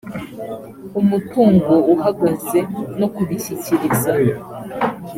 umutungo uhagaze no kubishyikiriza